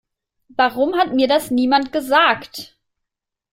Warum hat mir das niemand gesagt?